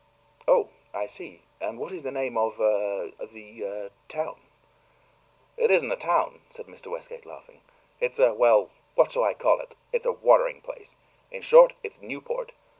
"Oh, I see. And what is the name of a the a town?" "It isn't a town," said Mr. Westgate, laughing. "It's a well, what shall I call it? It's a watering place. In short, it's Newport.